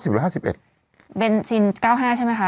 บรรที่๙๕ใช่ไหมคะ